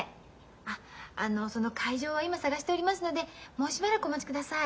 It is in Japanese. あっその会場は今探しておりますのでもうしばらくお待ちください。